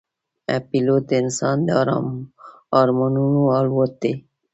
پیلوټ د انسان د ارمانونو الوت دی.